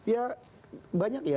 ya banyak ya